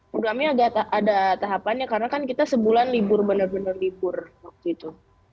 programnya ada tahapannya karena kan kita sebulan libur benar benar libur waktu itu